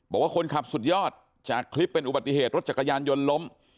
บอกว่าคนขับสุดยอดจากคลิปเป็นอุบัติเหตุรถจักรยานยนต์ล้ม